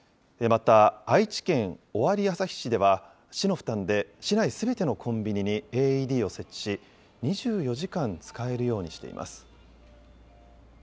また愛知県尾張旭市では、市の負担で市内すべてのコンビニにＡＥＤを設置し、２４時間使えるようにしています。